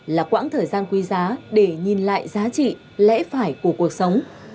là quãng thời gian quý giá để nhìn lại giá trị lẽ phải của cuộc sống